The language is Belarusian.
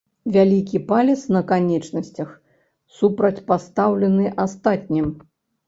Вялікі палец на канечнасцях супрацьпастаўлены астатнім.